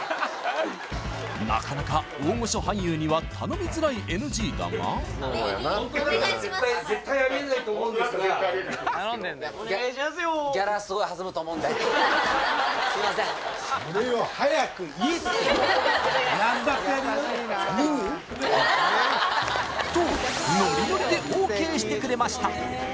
なかなか大御所俳優には頼みづらいＮＧだがすいませんとノリノリでＯＫしてくれました